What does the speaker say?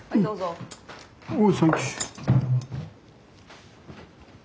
おサンキュー。